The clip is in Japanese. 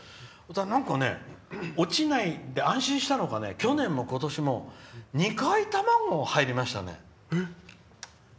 なんか、落ちないで安心したのか去年も今年も２回卵が入りましたね。